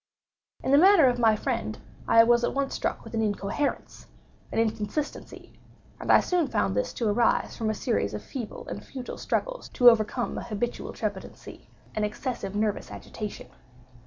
In the manner of my friend I was at once struck with an incoherence—an inconsistency; and I soon found this to arise from a series of feeble and futile struggles to overcome an habitual trepidancy—an excessive nervous agitation.